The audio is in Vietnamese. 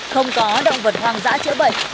không có động vật hoang dã chữa bệnh